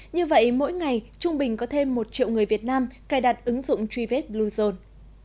như vậy mỗi ngày trung bình có thêm một triệu người việt nam cài đặt ứng dụng truy vết bluezone